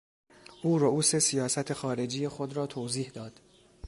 او رئوس سیاست خارجی خود را توضیح داد.